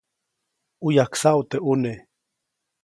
ʼU yajksaʼu teʼ ʼune.